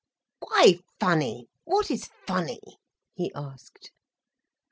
"Why funny, what is funny?" he asked.